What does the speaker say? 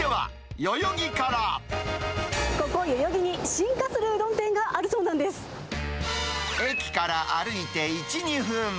ここ代々木に、進化するうど駅から歩いて１、２分。